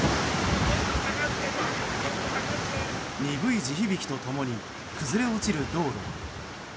鈍い地響きと共に崩れ落ちる道路。